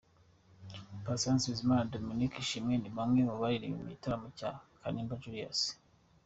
Patient Bizimana na Dominic Ashimwe ni bamwe mu baririmba mu gitaramo cya Kalimba Julius.